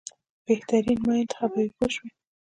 بهترین ما انتخابوي پوه شوې!.